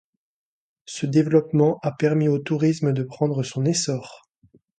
Ce développement a permis au tourisme de prendre son essor.